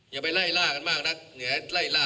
อย่าไปไล่ล่ากันมากนะ